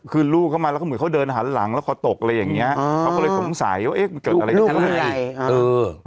คือลูกเข้ามาแล้วก็เหมือนเขาเดินหันหลังแล้วคอตกอะไรอย่างนี้เขาก็เลยสงสัยว่าเอ๊ะมันเกิดอะไรขึ้น